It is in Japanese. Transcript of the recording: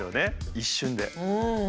一瞬で。